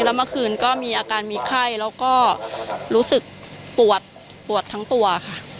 แล้วเมื่อคืนก็มีอาการมีไข้แล้วก็รู้สึกปวดปวดทั้งตัวค่ะ